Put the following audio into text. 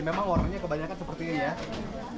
memang warnanya kebanyakan seperti ini ya